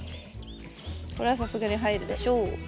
これはさすがに入るでしょう。